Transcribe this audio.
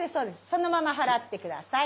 そのまま払って下さい。